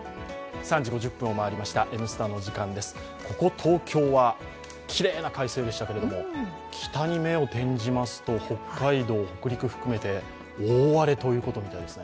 ここ東京は、きれいな快晴でしたけれども、北に目を転じますと、北海道、北陸含めて大荒れということのようです。